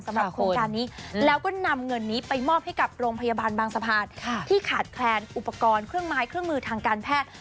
โครงการนี้แล้วก็นำเงินนี้ไปมอบให้กับโรงพยาบาลบางสะพานที่ขาดแคลนอุปกรณ์เครื่องไม้เครื่องมือทางการแพทย์